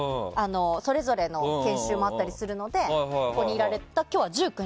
それぞれの研修もあったりするのでここにいられるのは１９人。